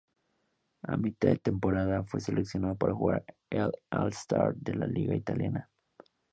A mitad de temporada, fue seleccionado para jugar el All-Star de la liga italiana.